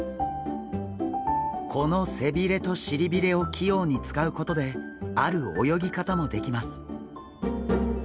この背びれとしりびれを器用に使うことである泳ぎ方もできます。